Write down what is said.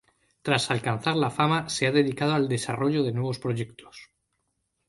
Tras alcanzar la fama se ha dedicado al desarrollo de nuevos proyectos.